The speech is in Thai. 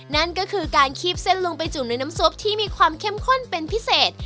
นั่นก็คือการคีบเส้นลงไปจุ่มในน้ำซุปที่มีความเข้มข้นเป็นพิเศษ